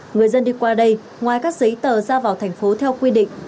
người dân đi qua đây ngoài các giấy tờ ra vào thành phố theo quy định